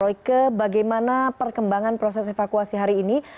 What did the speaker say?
royke bagaimana perkembangan proses evakuasi hari ini